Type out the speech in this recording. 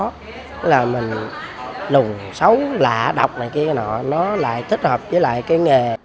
tức là mình lùng xấu lạ độc này kia nọ nó lại thích hợp với lại cái nghề